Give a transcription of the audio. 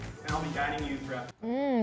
dan saya akan mengajak anda untuk berkumpul